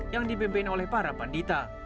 yang dipimpin oleh para pendita